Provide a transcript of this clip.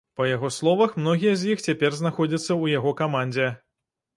Па яго словах, многія з іх цяпер знаходзяцца ў яго камандзе.